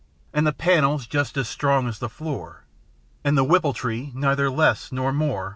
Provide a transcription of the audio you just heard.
And the panels just as strong as the floor. And the whippletree neither less nor more.